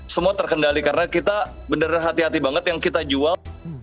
semua terkendali karena kita benar benar hati hati banget yang kita jual